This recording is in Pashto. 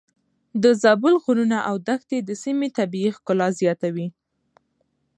د زابل غرونه او دښتې د سيمې طبيعي ښکلا زياتوي.